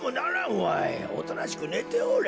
おとなしくねておれ。